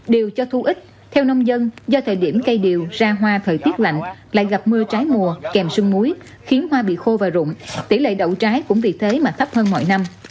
điều cho thu ít theo nông dân do thời điểm cây điều ra hoa thời tiết lạnh lại gặp mưa trái mùa kèm sương muối khiến hoa bị khô và rụng tỷ lệ đậu trái cũng vì thế mà thấp hơn mọi năm